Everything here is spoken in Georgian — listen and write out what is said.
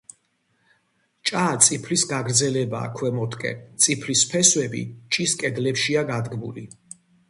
ჭა წიფლის გაგრძელებაა ქვემოთკენ, წიფლის ფესვები ჭის კედლებშია გადგმული.